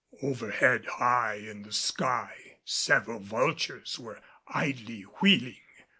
Overhead high in the sky several vultures were idly wheeling.